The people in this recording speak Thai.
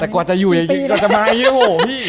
แต่กว่าจะอยู่อย่างนี้กว่าจะมาเยอะโหพี่